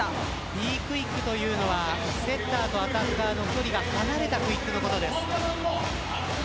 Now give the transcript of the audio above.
Ｂクイックはセッターとアタッカーの距離が離れたクイックのことです。